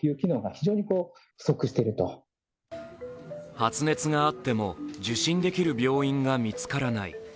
発熱があっても受診できる病院が見つからない